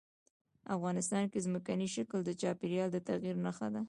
افغانستان کې ځمکنی شکل د چاپېریال د تغیر نښه ده.